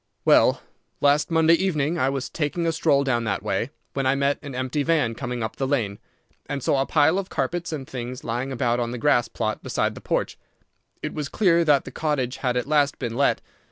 "Well, last Monday evening I was taking a stroll down that way, when I met an empty van coming up the lane, and saw a pile of carpets and things lying about on the grass plot beside the porch. It was clear that the cottage had at last been let.